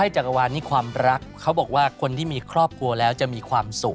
ชอบอีก